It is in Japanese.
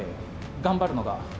頑張るのが。